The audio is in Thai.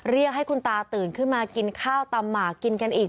เรียกให้คุณตาตื่นขึ้นมากินข้าวตำหมากกินกันอีก